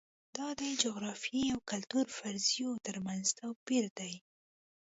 دا د جغرافیې او کلتور فرضیو ترمنځ توپیر دی.